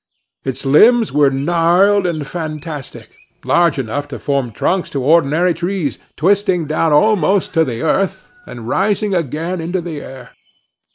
Its limbs were gnarled and fantastic, large enough to form trunks for ordinary trees, twisting down almost to the earth, and rising again into the air.